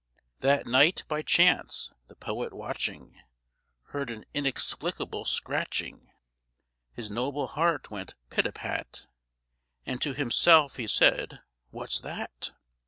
That night, by chance, the poet watching, Heard an inexplicable scratching; His noble heart went pit a pat, And to himself he said "What's that?"